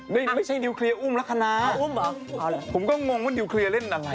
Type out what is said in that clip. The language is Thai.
ไม่ใช่นิวเคลียร์อุ้มลักษณะผมก็งงว่านิวเคลียร์เล่นอะไร